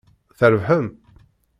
Trebḥem?